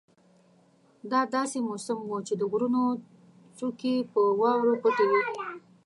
دا داسې موسم وو چې د غرونو څوکې په واورو پټې وې.